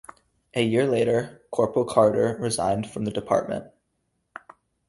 A year later, Corporal Carter resigned from the department.